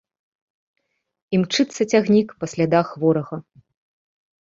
Імчыцца цягнік па слядах ворага.